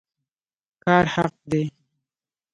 کار حق دی